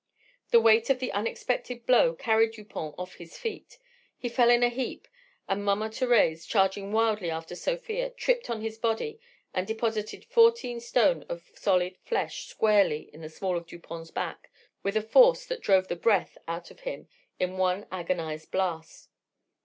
The weight of the unexpended blow carried Dupont off his feet. He fell in a heap, and Mama Thérèse, charging wildly after Sofia, tripped on his body and deposited fourteen stone of solid flesh squarely in the small of Dupont's back with a force that drove the breath out of him in one agonized blast.